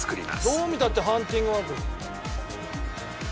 どう見たってハンティング・ワールド。